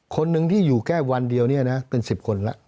คนหนึ่งที่อยู่แค่วันเดียวเนี่ยนะเป็น๑๐คนแล้ว